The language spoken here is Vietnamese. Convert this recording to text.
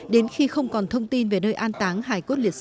đến khi không còn thông tin về nơi an táng hải cốt liệt sĩ